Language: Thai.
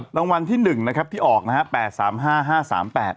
รางวัลที่๑นะครับที่ออกนะครับ